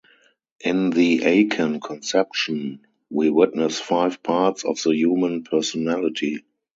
In the Akan conception, we witness five parts of the human personality.